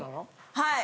はい。